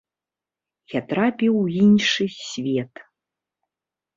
Я трапіў у іншы свет.